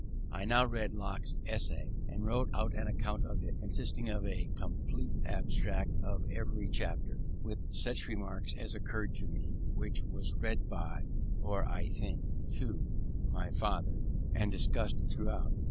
I now read Locke's Essay, and wrote out an account of it, consisting of a complete abstract of every chapter, with such remarks as occurred to me; which was read by, or (I think) to, my father, and discussed throughout.